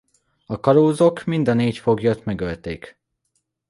A kalózok mind a négy foglyot megölték.